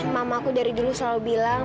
mamaku dari dulu selalu bilang